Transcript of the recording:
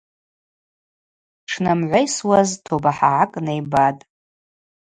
Дшнамгӏвайсуаз тоба хӏагӏакӏ найбатӏ.